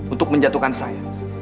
untuk menjatuhkan saya